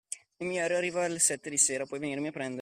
Il mio aereo arriva alle sette di sera, puoi venirmi a prendere?